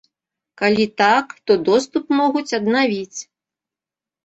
Калі так, то доступ могуць аднавіць.